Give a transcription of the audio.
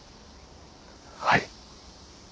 はい。